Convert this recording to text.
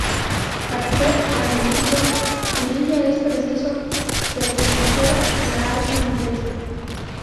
Para ser admitido en ella es preciso pertenecerá la alta nobleza.